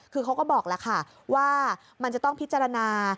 คือเขาก็บอกว่ามันจะต้องพิจารณา